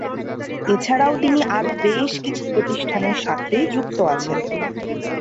এছাড়াও তিনি আরো বেশ কিছু প্রতিষ্ঠানের সাথে যুক্ত আছেন।